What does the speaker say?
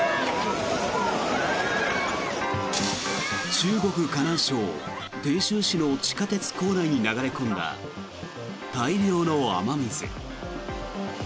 中国・河南省鄭州市の地下鉄構内に流れ込んだ大量の雨水。